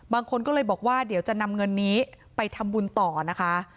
บางคนก็เลยบอกว่าเดี๋ยวจะนำเงินนี้ไปทำบุญต่อนะคะ